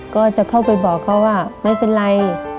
ก็จะเข้าไปบอกเขาว่าไม่เป็นไร